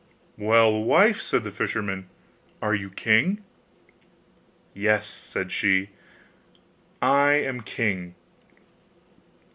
'Well, wife,' said the fisherman, 'are you king?' 'Yes,' said she, 'I am king.